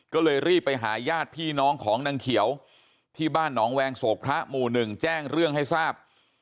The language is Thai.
ก็เลยรีบไปหาญาติพี่น้องของนางเขียวที่บ้านหนองแวงโศกพระหมู่๑แจ้งเรื่องให้ทราบ